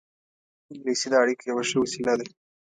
انګلیسي د اړیکو یوه ښه وسیله ده